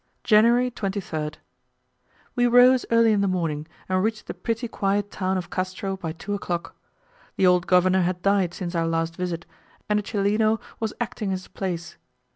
January 23rd. We rose early in the morning, and reached the pretty quiet town of Castro by two o'clock. The old governor had died since our last visit, and a Chileno was acting in his place.